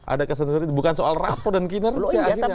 ada kesan kesan itu bukan soal rapuh dan kinerja